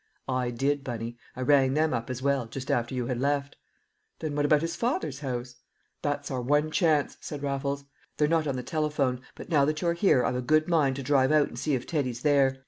"I did, Bunny. I rang them up as well, just after you had left." "Then what about his father's house?" "That's our one chance," said Raffles. "They're not on the telephone, but now that you're here I've a good mind to drive out and see if Teddy's there.